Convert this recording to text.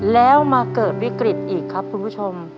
แล้วมาเกิดวิกฤตอีกครับคุณผู้ชม